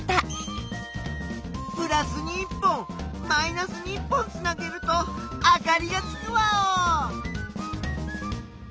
プラスに１本マイナスに１本つなげるとあかりがつくワオ！